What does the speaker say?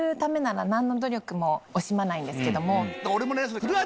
俺もね。え。